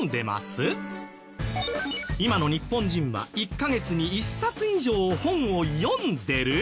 今の日本人は１カ月に１冊以上本を読んでる？